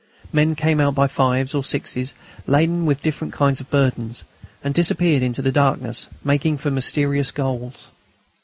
Men came out by fives or sixes, laden with different kinds of burdens, and disappeared into the darkness, making for mysterious goals.